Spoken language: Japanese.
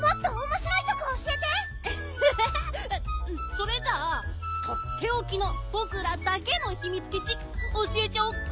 それじゃあとっておきのぼくらだけのひみつきちおしえちゃおっか